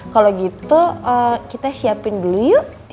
kalau gitu kita siapin dulu yuk